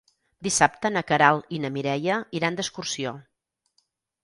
Dissabte na Queralt i na Mireia iran d'excursió.